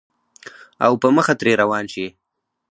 او پۀ مخه ترې روان شې